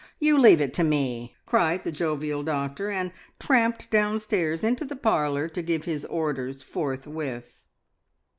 You leave it to me!" cried the jovial doctor, and tramped downstairs into the parlour to give his orders forthwith.